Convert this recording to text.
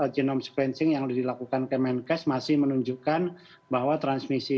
genome sequencing yang dilakukan kemenkes masih menunjukkan bahwa transmisi